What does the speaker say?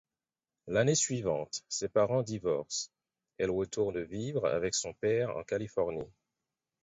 L'année suivante ses parents divorcent, elle retourne vivre avec son père en Californie.